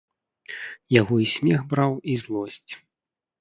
Яго й смех браў і злосць.